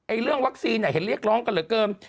เอ้ยเรื่องวัคซีนไหนเห็นเรียกร้องกันเหรอเกิม